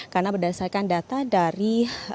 karena berdasarkan data dari